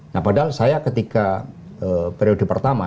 nah padahal saya ketika periode pertama